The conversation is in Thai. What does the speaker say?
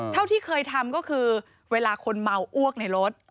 เท่าที่เคยทำก็คือเวลาคนเมาอ้วกในรถ